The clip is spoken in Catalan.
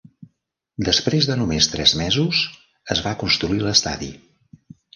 Després de només tres mesos, es va construir l"estadi.